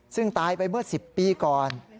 ซึ่งตายไปเมื่อ๑๐ปีก่อน